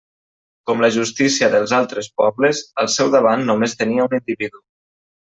Com la justícia dels altres pobles, al seu davant només tenia un individu.